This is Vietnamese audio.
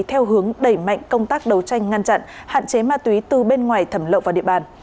theo hướng đẩy mạnh công tác đấu tranh ngăn chặn hạn chế ma túy từ bên ngoài thẩm lậu vào địa bàn